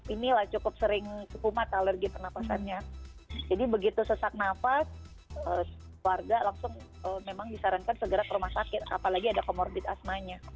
ini lah cukup sering sepumat alergi pernafasannya jadi begitu sesak nafas warga langsung memang disarankan segera ke rumah sakit apalagi ada komorbid asmanya